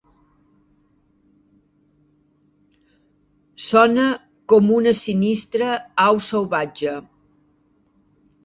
Sona com una sinistra au salvatge!